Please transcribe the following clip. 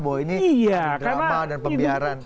bahwa ini drama dan pembiayaan iya karena ini